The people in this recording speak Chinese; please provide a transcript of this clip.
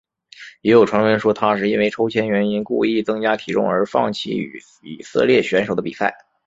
也有传闻说他是因为抽签原因故意增加体重而放弃与以色列选手的比赛。